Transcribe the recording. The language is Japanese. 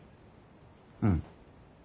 うん。